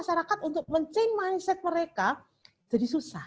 kalau berubah ubah untuk menselenggara mindset mereka jadi susah